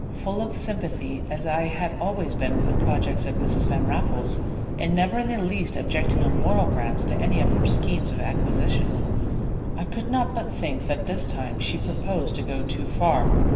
Full of sympathy as I had always been with the projects of Mrs. Van Raffles, and never in the least objecting on moral grounds to any of her schemes of acquisition, I could not but think that this time she proposed to go too far.